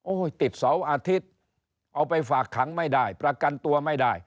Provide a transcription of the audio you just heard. ติดเสาร์อาทิตย์เอาไปฝากขังไม่ได้ประกันตัวไม่ได้